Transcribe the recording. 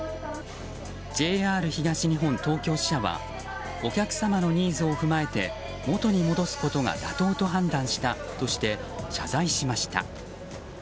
ＪＲ東日本東京支社はお客様のニーズを踏まえて元に戻すことが妥当と判断したとして謝罪しました。